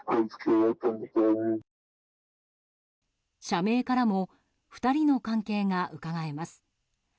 社名からも２人の関係がうかがえます。